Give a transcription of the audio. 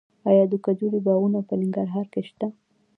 آیا د کجورې باغونه په ننګرهار کې شته؟